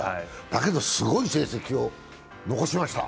だけど、すごい成績を残しました。